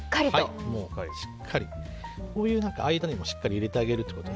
こういう間にもしっかり入れてあげると。